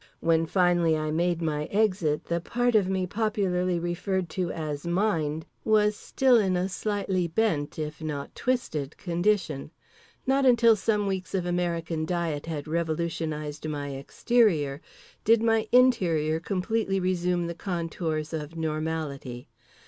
When finally I made my exit, the part of me popularly referred to as "mind" was still in a slightly bent if not twisted condition. Not until some weeks of American diet had revolutionized my exterior did my interior completely resume the contours of normality.